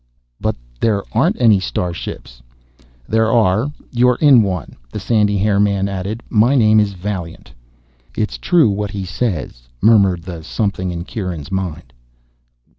"But there aren't any starships." "There are. You're in one." The sandy haired man added, "My name is Vaillant." It's true, what he says, murmured the something in Kieran's mind.